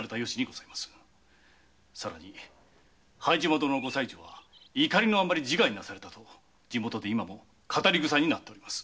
さらに配島殿のご妻女は怒りのあまり自害なされたと地元でも今も語りぐさになっております。